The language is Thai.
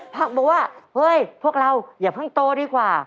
บอกว่าเฮ้ยพวกเราอย่าเพิ่งโตดีกว่า